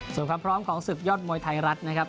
ส่วนความพร้อมของศึกยอดมวยไทยรัฐนะครับ